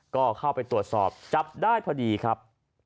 ก็เข้าไปตรวจสอบจับได้พอดีครับ